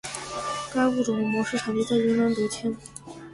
该物种的模式产地在云南德钦。